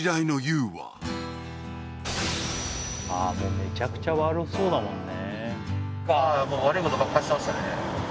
めちゃくちゃ悪そうだもんね。